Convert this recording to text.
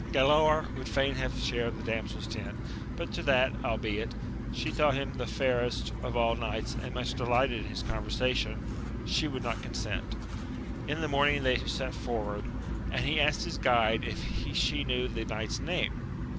Galaor would fain have shared the damsel's tent, but to that, albeit, she thought him the fairest of all knights and much delighted in his conversation, she would not COD sent. In the morning they set forward, and he asked his guide if she knew the knight's name?